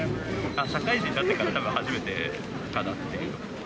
社会人になってからたぶん初めてかなって。